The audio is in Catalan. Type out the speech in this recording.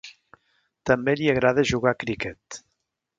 També li agrada jugar a criquet